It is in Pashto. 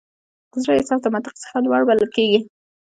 د زړه احساس د منطق څخه لوړ بلل کېږي.